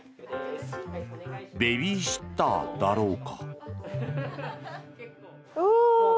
ベビーシッターだろうか？